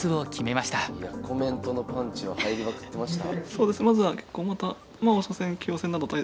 コメントのパンチは入りまくってました。